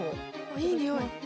いいにおい。